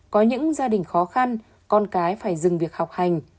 có những gia đình khó khăn con cái phải dừng việc học hành